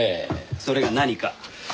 それが何か？